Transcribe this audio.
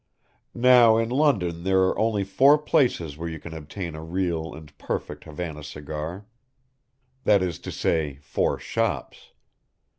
Now in London there are only four places where you can obtain a real and perfect Havana cigar. That is to say four shops.